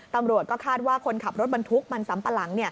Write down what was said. ตำรวจก็คาดว่าคนขับรถบรรทุกมันสำปะหลัง